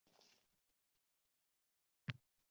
Boshin urib qirg’oqqa.